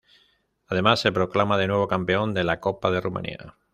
Además se proclama de nuevo campeón de la Copa de Rumania.